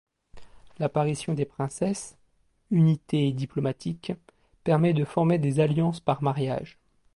L'apparition des princesses, unité diplomatique, permet de former des alliances par mariage.